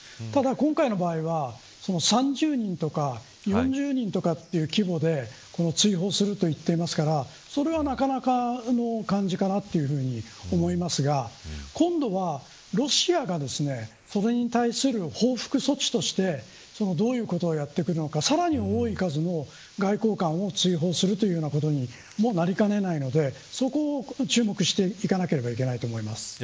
ただ、今回の場合は３０人とか４０人とかという規模で追放すると言っていますからそれは、なかなかの感じかなと思いますが今度は、ロシアがそれに対する報復措置としてどういうことをやってくるのかさらに多い数の外交官を追放するということになりかねないのでそこを注目していかなければいけないと思います。